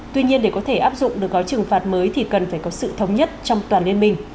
tuy nhiên để có thể áp dụng được gói trừng phạt mới thì cần phải có sự thống nhất trong toàn liên minh